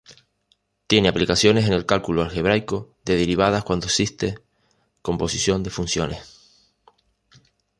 Tiene aplicaciones en el cálculo algebraico de derivadas cuando existe composición de funciones.